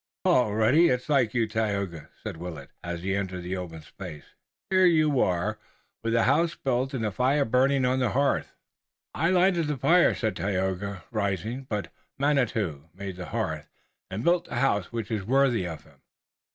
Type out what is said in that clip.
"All ready! It's like you, Tayoga," said Willet, as he entered the open space. "Here you are, with the house built and the fire burning on the hearth!" "I lighted the fire," said Tayoga, rising, "but Manitou made the hearth, and built the house which is worthy of Him."